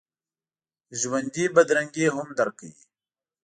ژوندي بدرنګي هم درک کوي